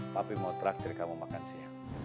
tapi mau traktir kamu makan siang